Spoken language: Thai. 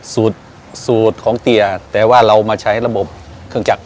สูตรสูตรของเตียแต่ว่าเรามาใช้ระบบเครื่องจักร